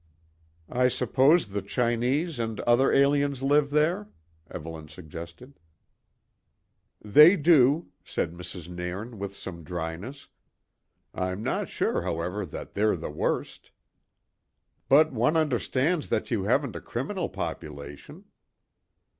"I suppose the Chinese and other aliens live there," Evelyn suggested. "They do," said Mrs. Nairn with some dryness. "I'm no sure, however, that they're the worst." "But one understands that you haven't a criminal population."